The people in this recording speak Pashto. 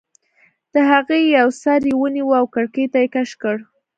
د هغې یو سر یې ونیو او کړکۍ ته یې کش کړ